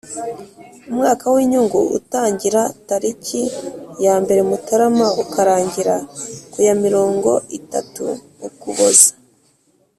Umwaka w’inyungu utangira tariki ya mbere Mutarama ukarangira ku ya mirongo itatu Ukuboza